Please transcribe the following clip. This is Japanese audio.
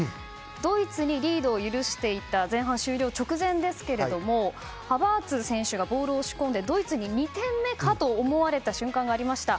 ドイツにリードを許していた前半終了直前ですがハヴァーツ選手がボールを仕込んでドイツに２点目かと思われた瞬間がありました。